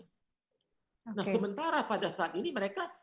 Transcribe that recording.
nah sementara pada saat ini mereka